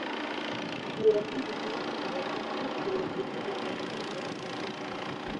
Ziwa Kivu pia linatoa fursa za kiuchumi kwa wakazi wa eneo hilo